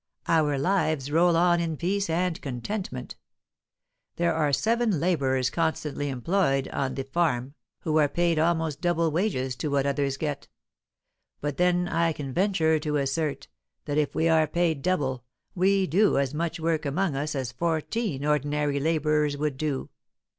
Our lives roll on in peace and contentment. There are seven labourers constantly employed on the farm, who are paid almost double wages to what others get; but then I can venture to assert, that if we are paid double, we do as much work among us as fourteen ordinary labourers would do.